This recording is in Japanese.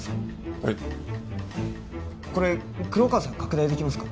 はいこれ黒川さん拡大できますか？